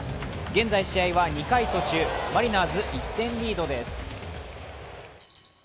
現在試合は２回途中、マリナーズ１点リードです。